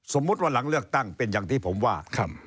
สมมุติว่าหลังเลือกตั้งเป็นอย่างที่ผมว่า